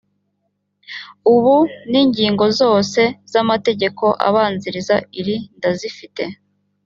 ubu n’ingingo zose z’amategeko abanziriza iri ndazifite